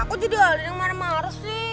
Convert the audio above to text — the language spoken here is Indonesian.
aku jadi ada yang marah marah sih